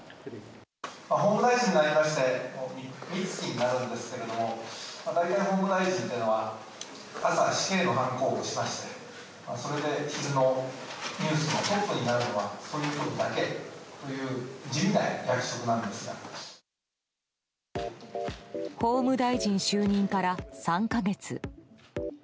法務大臣就任から３か月。